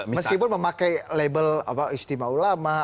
meskipun memakai label istimewa ulama